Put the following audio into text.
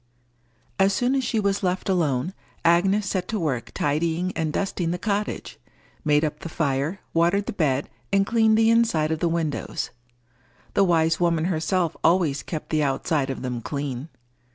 As soon as she was left alone, Agnes set to work tidying and dusting the cottage, made up the fire, watered the bed, and cleaned the inside of the windows: the wise woman herself always kept the outside of them clean.